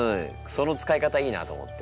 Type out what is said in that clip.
その使い方いいなと思って。